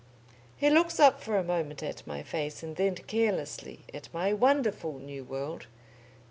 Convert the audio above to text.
He looks up for a moment at my face, and then carelessly at my wonderful new world.